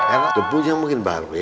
enak tuh pun yang mungkin baru ya